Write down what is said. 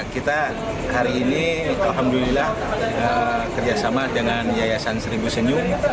kita hari ini alhamdulillah kerjasama dengan yayasan seribu senyum